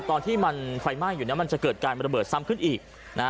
ตอนที่มันไฟไหม้อยู่เนี่ยมันจะเกิดการระเบิดซ้ำขึ้นอีกนะฮะ